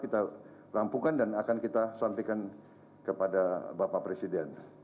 kita rampukan dan akan kita sampaikan kepada bapak presiden